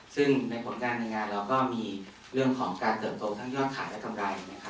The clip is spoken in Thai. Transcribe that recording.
ซึ่งในผลงานในงานเราก็มีเรื่องของการเติบโตทั้งยอดขายและกำไร